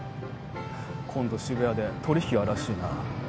今度渋谷で取引があるらしいな。